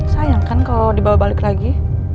sayang kan kalau dibawa balik lagi